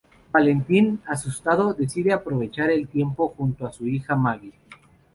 Valentín, asustado, decide aprovechar el tiempo junto a su hija Maggie.